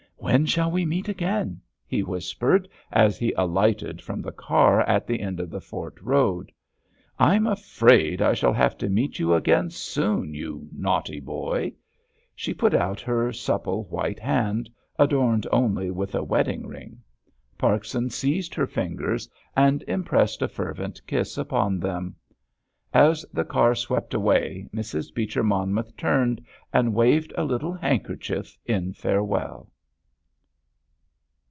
"When shall we meet again?" he whispered, as he alighted from the car at the end of the fort road. "I'm afraid I shall have to meet you again soon, you naughty boy!" She put out her supple white hand, adorned only with a wedding ring. Parkson seized her fingers and impressed a fervent kiss upon them. As the car swept away, Mrs. Beecher Monmouth turned and waved a little handkerchief in farewell.